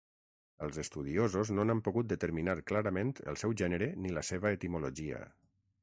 Els estudiosos no n'han pogut determinar clarament el seu gènere ni la seva etimologia.